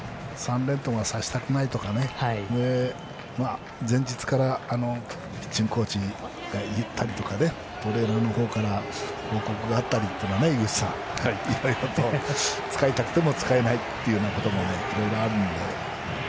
３連投はさせたくないとか前日から、ピッチングコーチが言ったりとかトレーナーの方から報告があったりというのはいろいろと使いたくても使えないこともあるので。